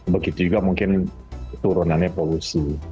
begitu juga mungkin turunannya polusi